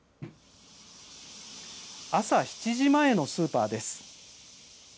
朝７時前のスーパーです。